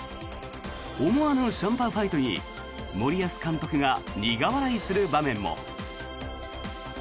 思わぬシャンパンファイトに森保監督が苦笑いする場面も。